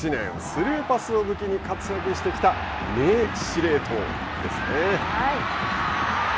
スルーパスを武器に活躍してきた名司令塔ですね。